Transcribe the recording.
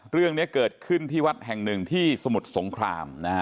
เรื่องนี้เกิดขึ้นที่วัดแห่งหนึ่งที่สมุทรสงครามนะฮะ